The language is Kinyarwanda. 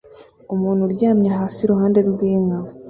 Umuntu uryamye hasi iruhande rw'inka